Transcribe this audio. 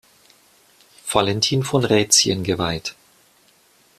Valentin von Rätien geweiht.